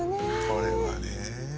これはね。